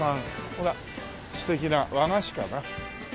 ほら素敵な和菓子かな？